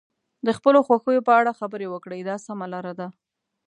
د خپلو خوښیو په اړه خبرې وکړئ دا سمه لاره ده.